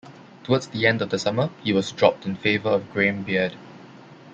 Towards the end of the summer he was dropped in favour of Graeme Beard.